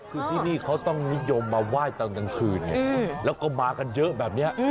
คือที่นี่เขาต้องนิยมมาไหว้ตอนกลางคืนไงแล้วก็มากันเยอะแบบนี้